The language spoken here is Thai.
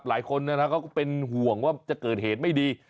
หลายคนเขาก็เป็นห่วงว่าจะเกิดเหตุไม่ดี